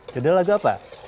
jodoh lagu apa